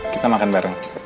kita makan bareng